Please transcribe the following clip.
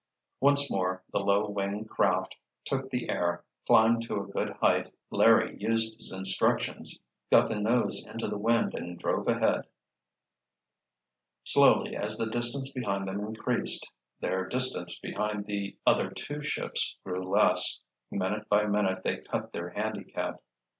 Once more the low wing craft took the air, climbed to a good height, Larry used his instructions, got the nose into the wind and drove ahead. Slowly, as the distance behind them increased, their distance behind the other two ships grew less. Minute by minute they cut their handicap.